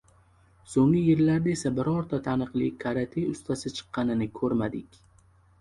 Soʻnggi yillarda esa birorta taniqli karate ustasi chiqqanini koʻrmadik.